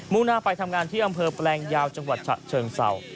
หน้าไปทำงานที่อำเภอแปลงยาวจังหวัดฉะเชิงเศร้า